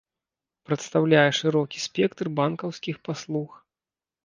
Прадастаўляе шырокі спектр банкаўскіх паслуг.